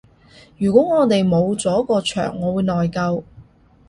如果我哋冇咗個場我會內疚